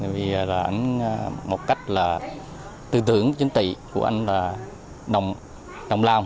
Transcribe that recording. vì là anh một cách là tư tưởng chính trị của anh là đồng lòng